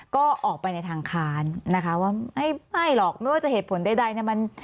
ก็ออกไปในทางค้านนะคะว่าไม่หรอกไม่ว่าจะเหตุผลใดเนี่ยมัน